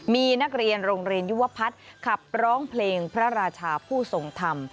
มีนักเรียนโรงเรียนยุวพัฒน์ขับร้องเพลงพระราชาผู้ทรงธรรม